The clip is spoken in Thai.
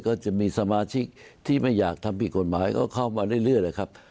ก็จะมีสมาชิกที่ไม่อยากทำผิดกฎหมายก็เข้ามาเรื่อยแหละครับ